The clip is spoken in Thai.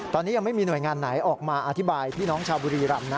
ตอนนี้ยังไม่มีหน่วยงานไหนออกมาอธิบายพี่น้องชาวบุรีรำนะ